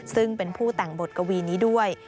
ซึ่งเป็นผู้แต่งบทกวีนี้ด้วย